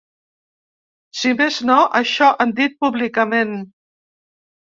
Si més no, això han dit públicament.